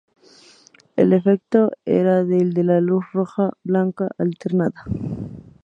El efecto era el de una luz roja y blanca alternada.